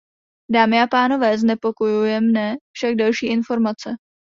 Dámy a pánové, znepokojuje mne však další informace.